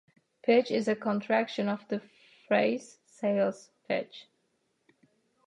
"Pitch" is a contraction of the phrase "sales pitch".